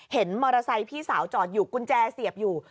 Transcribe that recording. เห็นมอเตอร์ไซค์พี่สาวจอดอยู่กุญแจเสียบอยู่